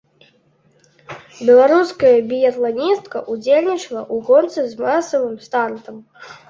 Беларуская біятланістка ўдзельнічала ў гонцы з масавым стартам.